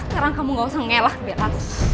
sekarang kamu gak usah ngelah bella